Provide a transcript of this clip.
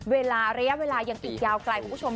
เวลาเรียบเวลายังอีกยาวไกลคุณผู้ชม